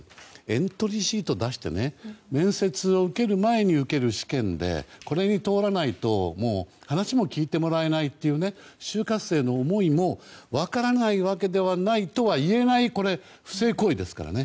エントリーシートを出して面接を受ける前に受ける試験で、これに通らないと話も聞いてもらえないという就活生の思いも分からないわけではないとは言えないこれ、不正行為ですからね。